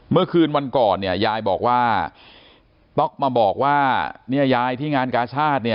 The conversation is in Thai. เมื่อคืนวันก่อนเนี่ยยายบอกว่าต๊อกมาบอกว่าเนี่ยยายที่งานกาชาติเนี่ย